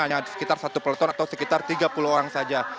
hanya sekitar satu peleton atau sekitar tiga puluh orang saja